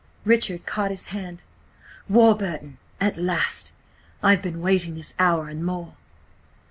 Richard caught his hand. "Warburton! At last! I have been waiting this hour and more!"